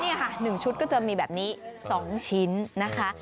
นี่ค่ะ๑ชุดก็จะมีแบบนี้๒ชิ้นนะคะ